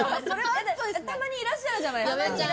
たまにいらっしゃるじゃないですか。